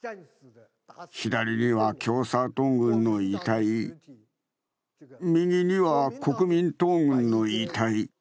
左には共産党軍の遺体、右には国民党軍の遺体。